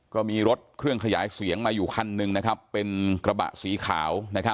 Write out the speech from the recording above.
ก็มีรถเครื่องขยายเสียงมาอยู่คันหนึ่งเป็นกระบะสีขาว